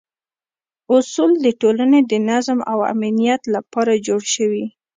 اصول د ټولنې د نظم او امنیت لپاره جوړ شوي.